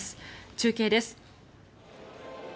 中継です。